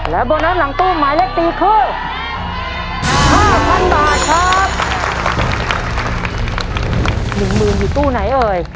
แล้วโบนัสหลังตู้หมายเลขปีครบราชา๕๐๐๐บาทครับ